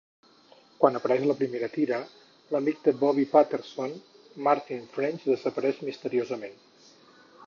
Quan apareix la primera tira, l'amic de Bobby Patterson, Martin French desapareix misteriosament.